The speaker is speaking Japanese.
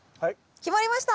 決まりました。